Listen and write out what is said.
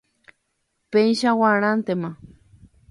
Péicha g̃uarãntema.